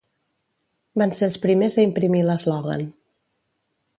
Van ser els primers a imprimir l'eslògan.